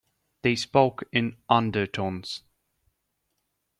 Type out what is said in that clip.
They spoke in undertones.